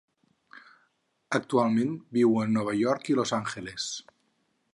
Actualment viu a Nova York i Los Angeles.